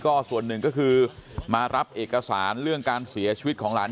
ก็ส่วนหนึ่งก็คือมารับเอกสารเรื่องการเสียชีวิตของหลาน